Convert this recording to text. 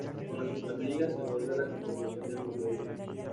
Con la Superliga se vuelve a la competición de grupo único.